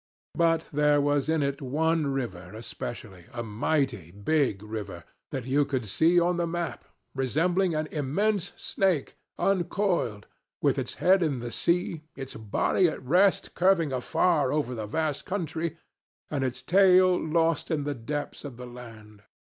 But there was in it one river especially, a mighty big river, that you could see on the map, resembling an immense snake uncoiled, with its head in the sea, its body at rest curving afar over a vast country, and its tail lost in the depths of the land.